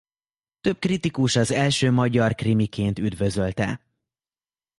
Több kritikus az első magyar krimiként üdvözölte.